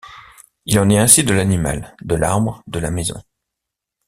Il en est ainsi de l'animal, de l'arbre, de la maison.